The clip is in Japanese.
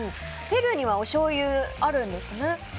ペルーにはおしょうゆあるんですね。